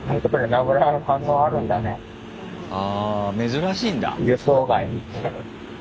あ珍しいんだ。